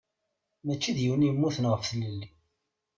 Mačči d yiwen i yemmuten ɣef tlelli.